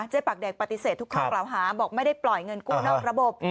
ปากแดงปฏิเสธทุกข้อกล่าวหาบอกไม่ได้ปล่อยเงินกู้นอกระบบ